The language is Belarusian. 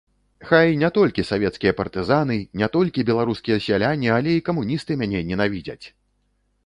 Хай не толькі савецкія партызаны, не толькі беларускія сяляне, але і камуністы мяне ненавідзяць!